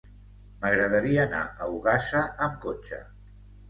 M'agradaria anar a Ogassa amb cotxe.